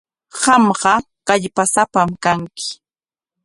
Qamqa kallpasapam kanki.